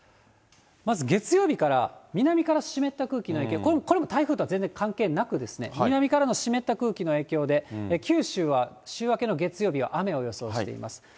まず月曜日から南から湿った空気の影響、これも台風とは全然関係なく、南からの湿った空気の影響で、九州は週明けの月曜日は雨を予想しています。